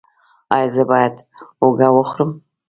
ایا زه باید هوږه وخورم؟